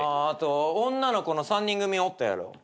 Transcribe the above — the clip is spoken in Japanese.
あと女の子の３人組おったやろ。